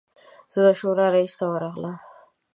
زه د شورا رییس ته ورغلم.